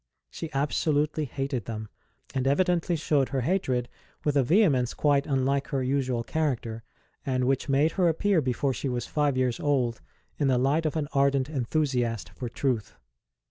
She absolutely hated them, and evidently showed her hatred with a vehemence quite unlike her usual character, and which made her appear before she was five years old in the light of an ardent enthusiast for truth.